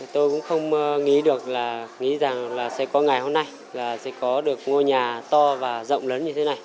tôi cũng không nghĩ được là sẽ có ngày hôm nay sẽ có được ngôi nhà to và rộng lớn như thế này